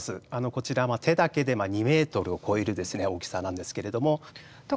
こちらも手だけで２メートルを超える大きさなんですけれども。